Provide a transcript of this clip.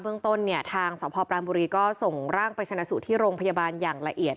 เรื่องต้นเนี่ยทางสพปรามบุรีก็ส่งร่างไปชนะสูตรที่โรงพยาบาลอย่างละเอียด